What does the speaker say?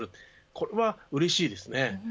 これはうれしいですね。